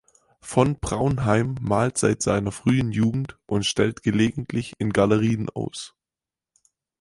Von Praunheim malt seit seiner frühen Jugend und stellt gelegentlich in Galerien aus.